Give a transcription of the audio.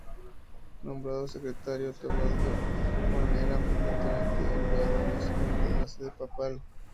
Nombrado secretario de Teobaldo, Juan era frecuentemente enviado a misiones a la sede papal.